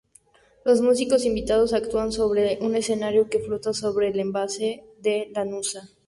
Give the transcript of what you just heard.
Los músicos invitados actúan sobre un escenario que flota sobre el Embalse de Lanuza.